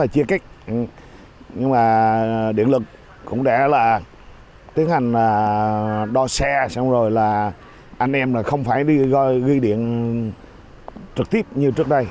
cũng đẽ là tiến hành đo xe xong rồi là anh em là không phải đi ghi điện trực tiếp như trước đây